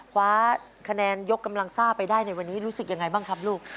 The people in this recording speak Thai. คว้าคะแนนยกกำลังซ่าไปได้ในวันนี้รู้สึกยังไงบ้างครับลูก